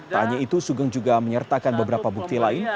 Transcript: tak hanya itu sugeng juga menyertakan beberapa bukti lain